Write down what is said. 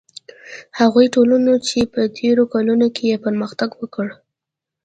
هغو ټولنو چې په تېرو کلونو کې پرمختګ وکړ.